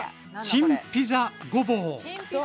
チンピザごぼう。